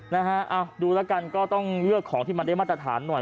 นะฮะดูแล้วกันก็ต้องเลือกของที่มันได้มาตรฐานหน่อย